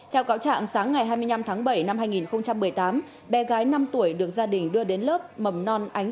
theo cáo trạng sáng ngày hai mươi năm tháng bảy năm hai nghìn một mươi tám bé gái năm tuổi được gia đình đưa đến lớp mầm non ánh